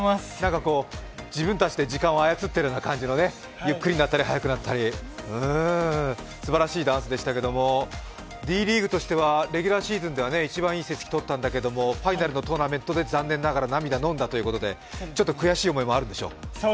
自分たちで時間を操っている感じのね、ゆっくりになったり速くなったり、すばらしいダンスでしたけれども、Ｄリーグとしてはレギュラーシーズンでは一番いい成績を取ったんだけどファイナルのトーナメントで残念ながら涙をのんだということでちょっと悔しい思いもあるでしょう？